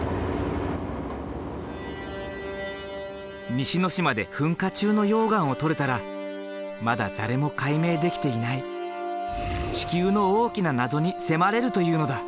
西之島で噴火中の溶岩を採れたらまだ誰も解明できていない地球の大きな謎に迫れるというのだ。